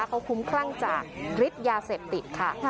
เขาคุ้มคลั่งจากฤทธิ์ยาเสพติดค่ะ